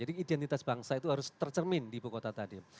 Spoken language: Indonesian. jadi identitas bangsa itu harus tercermin di ibu kota tadi